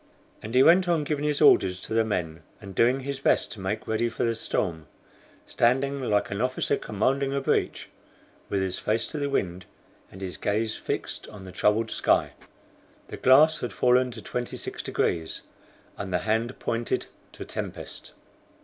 And he went on giving his orders to the men, and doing his best to make ready for the storm, standing, like an officer commanding a breach, with his face to the wind, and his gaze fixed on the troubled sky. The glass had fallen to 26 degrees, and the hand pointed to tempest.